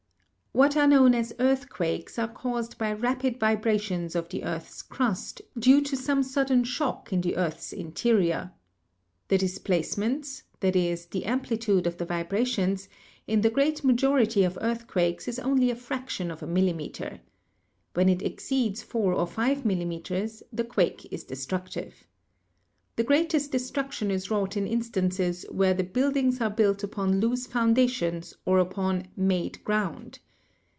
What are known as earthquakes are caused by rapid vibrations of the earth's crust due to some sudden shock in the earth's interior. The displacements — that is, the amplitude of the vibrations — in the great majority of earthquakes is only a fraction of a millimeter. When it exceeds four or five millimeters the quake is destructive. The greatest destruction is wrought in instances where the buildings are built upon loose foundations or upon, 'made ground.'